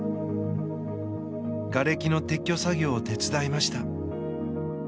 がれきの撤去作業を手伝いました。